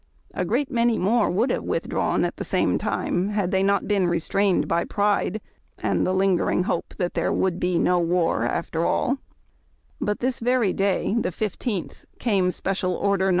A great many more would have withdrawn at the same time had they not been restrained by pride and the lingering hope that there would be no war after all ; but this very day (the 15th) came Special Order No.